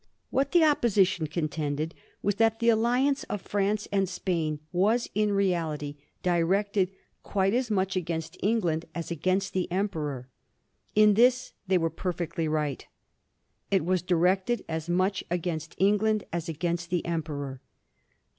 What the Opposition contended was that the alliance of France and Spain was in reality directed quite as much against. England as against the Emperor. In this they were perfectly right. It was directed as much against England as against the Emperor.